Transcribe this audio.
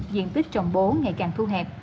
diện tích trồng bố ngày càng thu hẹp